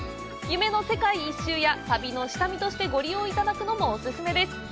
夢の世界一周や旅の下見としてご利用いただくのもオススメです。